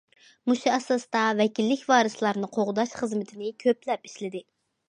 مۇشۇ ئاساستا، ۋەكىللىك ۋارىسلارنى قوغداش خىزمىتىنى كۆپلەپ ئىشلىدى.